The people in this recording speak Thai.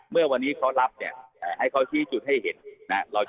เมื่อวันนี้เขารับเนี่ยให้เขาชี้จุดให้เห็นนะครับ